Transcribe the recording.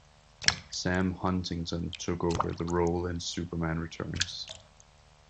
Sam Huntington took over the role in "Superman Returns".